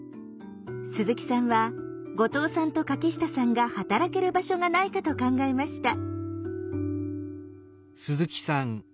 鈴木さんは後藤さんと柿下さんが働ける場所がないかと考えました。